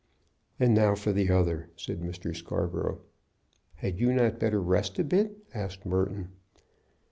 "And now for the other," said Mr. Scarborough. "Had you not better rest a bit?" asked Merton.